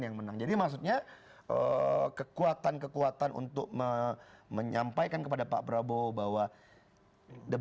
yang menang jadi maksudnya kekuatan kekuatan untuk menyampaikan kepada pak prabowo bahwa the